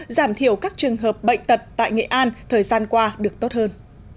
giảm thiểu các trường hợp bệnh tật tại nghệ an thời gian qua được tốt hơn